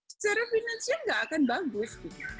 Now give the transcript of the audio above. secara finansial nggak akan bagus